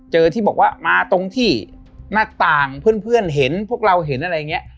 ที่บอกว่ามาตรงที่หน้าต่างเพื่อนเห็นพวกเราเห็นอะไรอย่างนี้